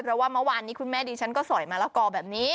เพราะว่าเมื่อวานนี้คุณแม่ดิฉันก็สอยมะละกอแบบนี้